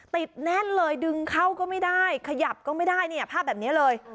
แน่นเลยดึงเข้าก็ไม่ได้ขยับก็ไม่ได้เนี่ยภาพแบบนี้เลย